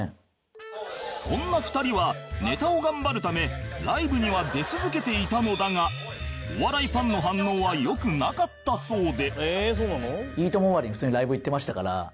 そんな２人はネタを頑張るためライブには出続けていたのだがお笑いファンの反応は良くなかったそうで